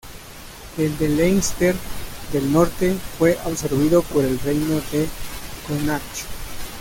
El de Leinster del Norte fue absorbido por el reino de Connacht.